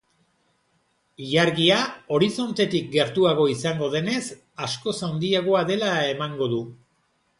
Ilargia horizontetik gertuago izango denez, askoz handiagoa dela emango du.